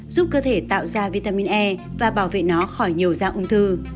giúp cơ thể tạo ra vitamin e và bảo vệ nó khỏi nhiều dạng ung thư